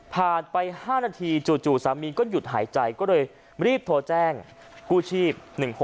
ผ่านไป๕นาทีจู่สามีก็หยุดหายใจก็เลยรีบโทรแจ้งกู้ชีพ๑๖๖